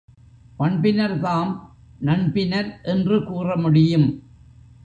பண்பினர்தாம் நண்பினர் என்று கூறமுடியும்.